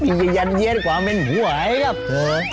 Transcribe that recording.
มีก็ยันเย็นกว่าเม่นหัวไอ้ก็เผลอ